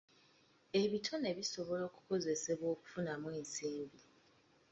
Ebitone bisobola okukozesebwa okufunamu ensimbi .